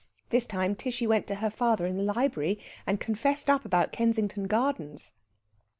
This time Tishy went to her father in the library, and confessed up about Kensington Gardens."